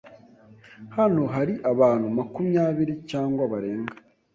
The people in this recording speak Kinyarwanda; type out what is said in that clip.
Hano hari abantu makumyabiri cyangwa barenga.